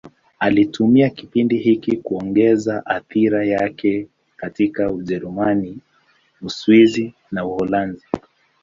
Alitumia kipindi hiki kuongeza athira yake katika Ujerumani, Uswisi na Uholanzi.